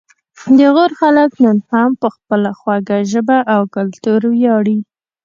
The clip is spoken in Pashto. د غور خلک نن هم په خپله خوږه ژبه او کلتور ویاړي